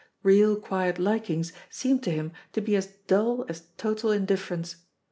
Real, quiet likings seemed to him to be as dull as total indifference.